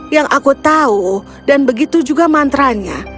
yang aku tahu dan begitu juga mantra nya